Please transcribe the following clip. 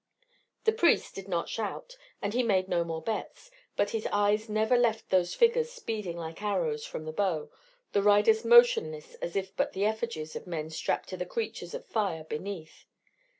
The priest did not shout, and he made no more bets, but his eyes never left those figures speeding like arrows from the bow, the riders motionless as if but the effigies of men strapped to the creatures of fire beneath.